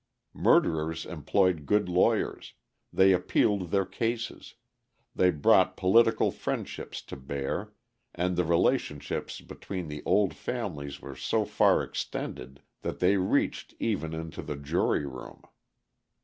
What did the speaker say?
Murderers employed good lawyers, they appealed their cases, they brought political friendships to bear, and the relationships between the old families were so far extended that they reached even into the jury room.